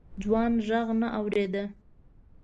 ځوان غږ نه اورېده.